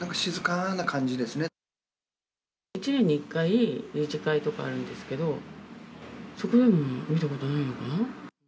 １年に１回、理事会とかあるんですけど、そこでも見たことないのかな？